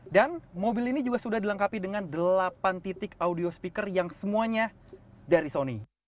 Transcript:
dan mobil ini juga sudah dilengkapi dengan delapan titik audio speaker yang semuanya dari sony